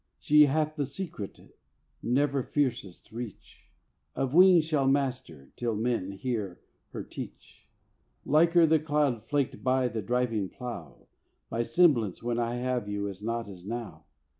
She hath the secret never fieriest reach Of wing shall master till men hear her teach. Liker the clod flaked by the driving plough, My semblance when I have you not as now.